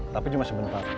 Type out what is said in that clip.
tapi cuma sebentar